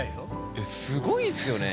えすごいっすよね。